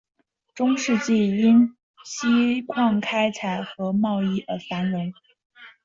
中世纪因锡矿开采和贸易而繁荣。